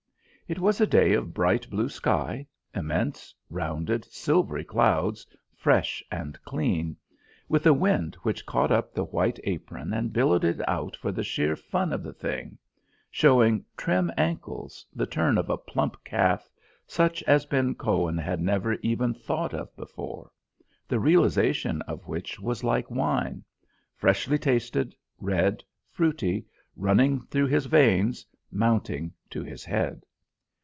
It was a day of bright blue sky, immense, rounded, silvery clouds, fresh and clean; with a wind which caught up the white apron and billowed it out for the sheer fun of the thing: showing trim ankles, the turn of a plump calf, such as Ben Cohen had never even thought of before, the realisation of which was like wine: freshly tasted, red, fruity, running through his veins, mounting to his head.